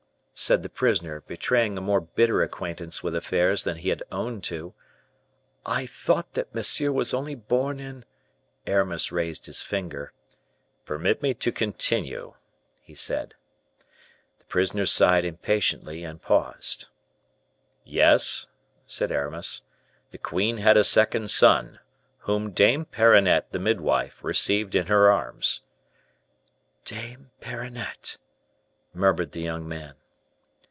said the prisoner, betraying a better acquaintance with affairs than he had owned to, "I thought that Monsieur was only born in " Aramis raised his finger; "Permit me to continue," he said. The prisoner sighed impatiently, and paused. "Yes," said Aramis, "the queen had a second son, whom Dame Perronnette, the midwife, received in her arms." "Dame Perronnette!" murmured the young man.